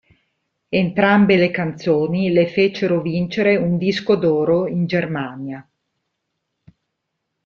Entrambe le canzoni le fecero vincere "un disco d'oro" in Germania.